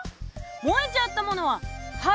燃えちゃったものは灰。